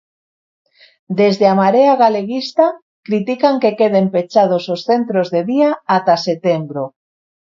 Desde a Marea Galeguista critican que queden pechados os centros de día ata setembro.